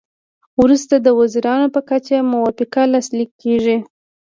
وروسته د وزیرانو په کچه موافقه لاسلیک کیږي